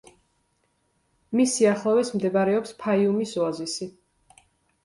მის სიახლოვეს მდებარეობს ფაიუმის ოაზისი.